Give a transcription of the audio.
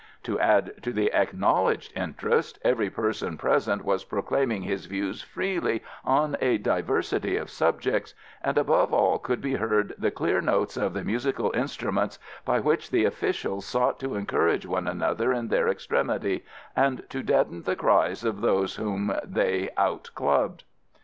To add to the acknowledged interest, every person present was proclaiming his views freely on a diversity of subjects, and above all could be heard the clear notes of the musical instruments by which the officials sought to encourage one another in their extremity, and to deaden the cries of those whom they outclubbed.